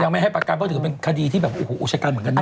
ไม่ให้ประกันเพราะถือเป็นคดีที่แบบโอ้โหอุชกันเหมือนกันนะ